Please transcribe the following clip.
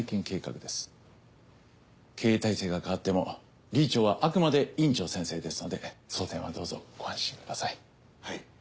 経営体制が変わっても理事長はあくまで院長先生ですのでその点はどうぞご安心ください。